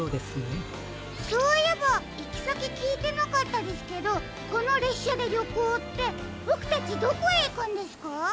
そういえばいきさききいてなかったですけどこのれっしゃでりょこうってボクたちどこへいくんですか？